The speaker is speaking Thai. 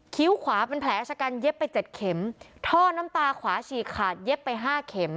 ขวาเป็นแผลชะกันเย็บไปเจ็ดเข็มท่อน้ำตาขวาฉีกขาดเย็บไปห้าเข็ม